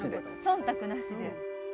忖度なしで。